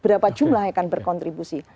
berapa jumlah yang akan berkontribusi